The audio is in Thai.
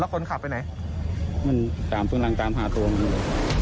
แล้วคนขับไปไหนมันตามพื้นรังตามพาตัวมาตรงนี้